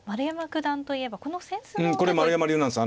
これ丸山流なんです。